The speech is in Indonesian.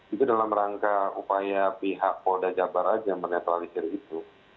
itu dalam rangka upaya pihak polda jabar aja menetralisir itu